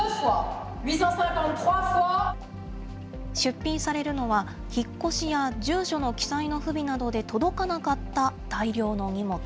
出品されるのは、引っ越しや、住所の記載の不備などで届かなかった大量の荷物。